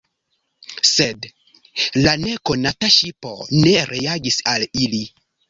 Sed la nekonata ŝipo ne reagis al ili.